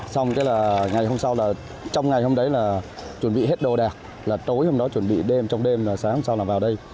xong tức là ngày hôm sau là trong ngày hôm đấy là chuẩn bị hết đồ đạc là tối hôm đó chuẩn bị đêm trong đêm và sáng hôm sau là vào đây